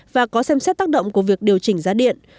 và có xem xét tác động của việc điều chỉnh giá điện